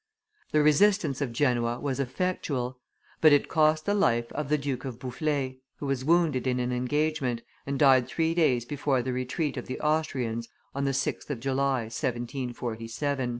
The resistance of Genoa was effectual; but it cost the life of the Duke of Boufflers, who was wounded in an engagement, and died three days before the retreat of the Austrians, on the 6th of July, 1747.